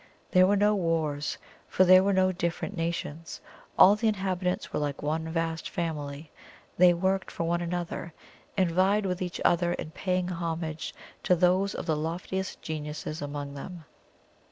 There were no wars for there were no different nations. All the inhabitants were like one vast family; they worked for one another, and vied with each other in paying homage to those of the loftiest genius among them.